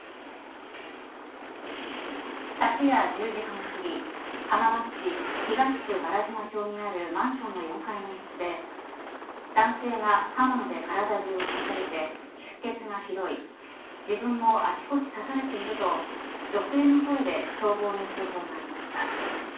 昨夜１０時半すぎ浜松市東区原島町にあるマンションの４階の一室で男性が刃物で体中を刺されて出血がひどい自分もあちこち刺されていると女性の声で消防に通報がありました。